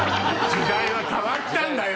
時代は変わったんだよ